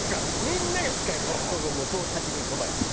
みんなが使えるから立ち食い蕎麦屋。